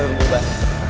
sering warung buah